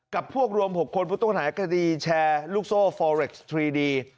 กับพวกรวมหกคนผู้ต้องขนาดอักษณีย์แชร์ลูกโซฟอเร็กซ์ทรีดี